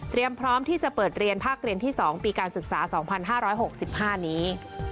พร้อมที่จะเปิดเรียนภาคเรียนที่๒ปีการศึกษา๒๕๖๕นี้